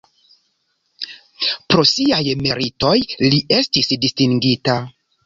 Pro siaj meritoj li estis distingita.